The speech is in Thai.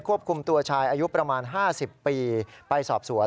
ควบคุมตัวชายอายุประมาณ๕๐ปีไปสอบสวน